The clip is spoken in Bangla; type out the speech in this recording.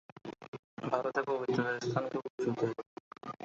ভারতে পবিত্রতার স্থান খুব উঁচুতে।